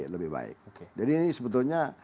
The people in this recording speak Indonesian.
lebih baik jadi ini sebetulnya